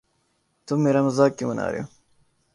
تم میرا مزاق کیوں بنا رہے ہو؟